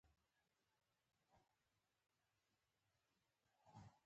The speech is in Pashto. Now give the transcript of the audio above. د هوا د پاکوالي لپاره کوم بخار وکاروم؟